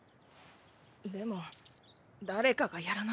でも誰かがやらなきゃ。